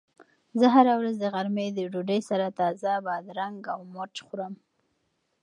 زه هره ورځ د غرمې د ډوډۍ سره تازه بادرنګ او مرچ خورم.